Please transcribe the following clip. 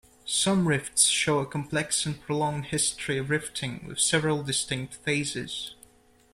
Some rifts show a complex and prolonged history of rifting, with several distinct phases.